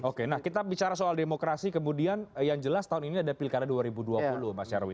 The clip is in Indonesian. oke nah kita bicara soal demokrasi kemudian yang jelas tahun ini ada pilkada dua ribu dua puluh mas nyarwi